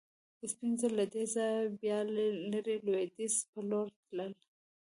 سپین زر له دې ځایه بیا لرې لوېدیځ په لور تلل.